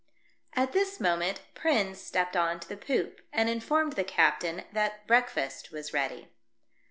At this moment Prins stepped on to the poop, and informed the captain that break fast was ready.